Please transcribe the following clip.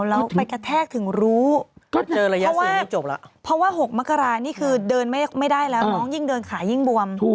แล้วไปกระแทกถึงรู้เพราะว่า๖มะกรานี่คือเดินไม่ได้แล้วน้องยิ่งเดินขายิ่งบวม